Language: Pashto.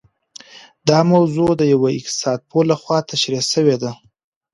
دا موضوع د يوه اقتصاد پوه لخوا تشرېح سوې ده.